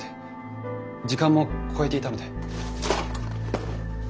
時間も超えていたので。